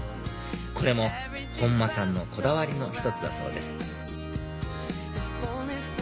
これも本間さんのこだわりの１つだそうです